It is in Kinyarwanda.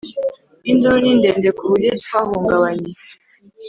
Induru ni ndende kuburyo twahungabanye